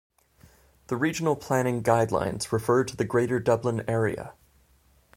The Regional Planning Guidelines refer to the Greater Dublin Area.